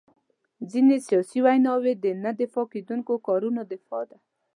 ځینې سیاسي ویناوي د نه دفاع کېدونکو کارونو دفاع ده.